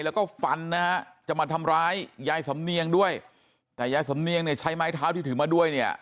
แล้วก็ฟันนะฮะจะมาทำร้ายยายสำเนียงด้วยแต่ยายสำเนียงเนี่ยใช้ไม้เท้าที่ถือมาด้วยเนี่ย